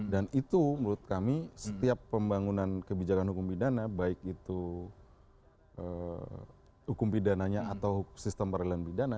dan itu menurut kami setiap pembangunan kebijakan hukum bidana baik itu hukum bidananya atau sistem perlindungan bidana